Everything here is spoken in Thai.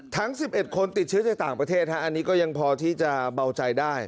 ทั้ง๑๑คนติดเชื้อจากต่างประเทศอันนี้ก็ยังพอที่จะเบาใจได้